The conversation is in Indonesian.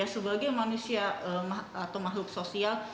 sebagai manusia atau makhluk sosial